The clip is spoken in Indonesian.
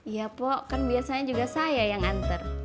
iya pok kan biasanya juga saya yang antar